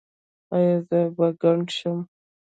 ایا زه به کڼ شم؟